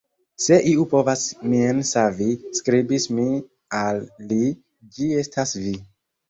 "Se iu povas min savi, skribis mi al li, ĝi estas vi."